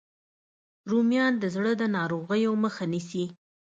رومیان د زړه د ناروغیو مخه نیسي